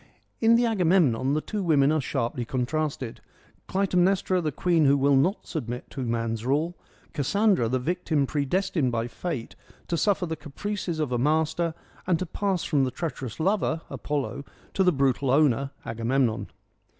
In the Agamemnon the two women are sharply contrasted ; Clytemnestra, the queen who will not submit to man's rule ; Cassandra, the victim predestined by fate to suffer the caprices of a master, and to pass from the treacherous lover, Apollo, to the brutal owner, Agamemnon.